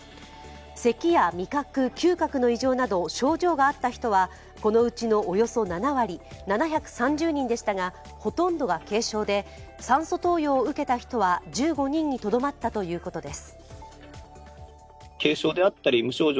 せきや味覚、嗅覚の異常など症状があった人はこのうちのおよそ７割、７３０人でしたが、ほとんどが軽症で酸素投与を受けた人は１５人にとどまったということです。